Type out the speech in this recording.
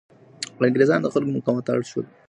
انګریزان د خلکو مقاومت ته اړ شول چې اوربند ومني.